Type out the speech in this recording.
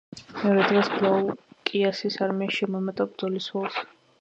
მეორე დღეს გლაუკიასის არმია შემოემატა ბრძოლის ველს.